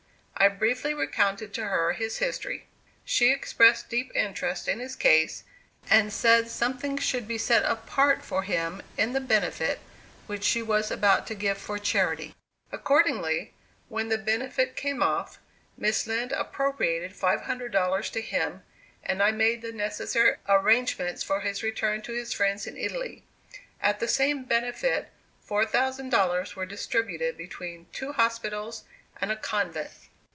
I briefly recounted to her his history. She expressed deep interest in his case, and said something should be set apart for him in the benefit which she was about to give for charity. Accordingly, when the benefit came off, Miss Lind appropriated $500 to him, and I made the necessary arrangements for his return to his friends in Italy. At the same benefit $4,000 were distributed between two hospitals and a convent.